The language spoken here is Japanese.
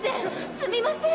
すみません！